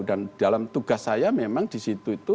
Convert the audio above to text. dan dalam tugas saya memang di situ itu